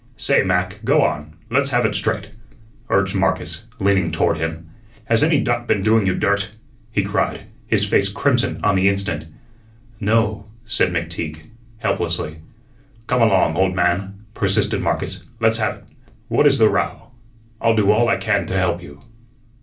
"Say, Mac, go on; let's have ut straight," urged Marcus, leaning toward him. "Has any duck been doing you dirt?" he cried, his face crimson on the instant. "No," said McTeague, helplessly. "Come along, old man," persisted Marcus; "let's have ut. What is the row? I'll do all I can to help you."